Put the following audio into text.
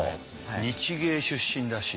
日藝出身らしい。